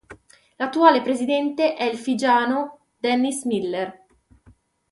L'attuale presidente è il figiano Dennis Miller.